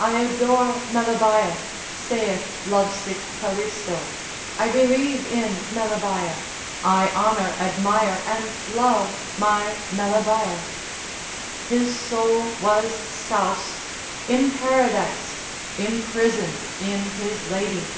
I adore Melebaea, saith lovesick Calisto, I believe in Melebaea, I honour, admire and love my Melebaea; His soul was soused, imparadised, imprisoned in his lady.